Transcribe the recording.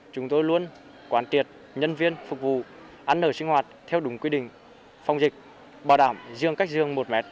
chúng tôi luôn quản triệt nhân viên phục vụ ăn ở sinh hoạt theo đúng quy định phòng dịch bảo đảm riêng cách riêng một mét